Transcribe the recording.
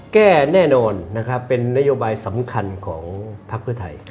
แก้แน่นอนเป็นนโยบายสำคัญของภาคเครือไทย